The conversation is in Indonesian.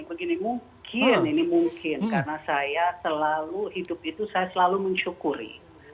begini mungkin ini mungkin karena saya selalu hidup itu saya selalu mensyukuri